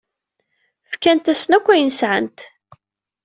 Fkant-asen akk ayen sɛant.